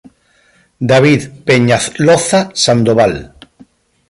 David Peñaloza Sandoval.